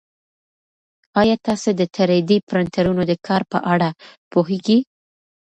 ایا تاسي د تری ډي پرنټرونو د کار په اړه پوهېږئ؟